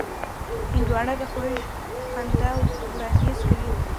هندوانه د خوږ خندا وړاندیز کوي.